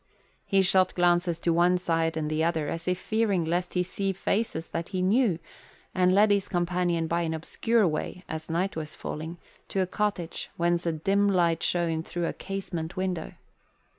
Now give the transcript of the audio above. He shot glances to one side and the other as if fearing lest he see faces that he knew, and led his companion by an obscure way, as night was falling, to a cottage whence a dim light shone through a casement window.